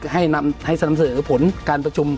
ให้นำให้สนับเสริมผลการประชุม